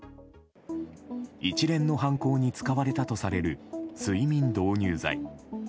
一連の犯行に使われたとされる睡眠導入剤。